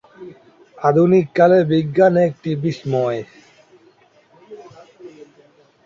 আধুনিক কালে বিজ্ঞান একটি বিস্ময়।